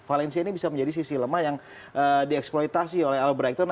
valencia ini bisa menjadi sisi lemah yang dieksploitasi oleh alberton